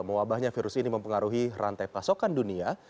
mewabahnya virus ini mempengaruhi rantai pasokan dunia